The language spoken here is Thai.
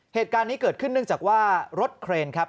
เหตุการณ์นี้เกิดขึ้นเนื่องจากว่ารถเครนครับ